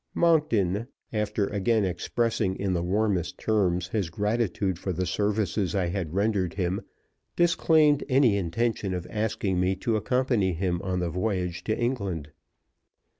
Monkton, after again expressing in the warmest terms his gratitude for the services I had rendered him, disclaimed any intention of asking me to accompany him on the voyage to England.